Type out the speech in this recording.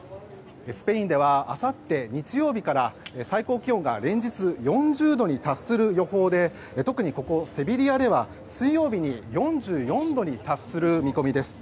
スペインではあさって日曜日から最高気温が連日４０度に達する予報で特にここセビリアでは水曜日に４４度に達する見込みです。